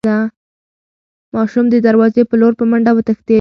ماشوم د دروازې په لور په منډه وتښتېد.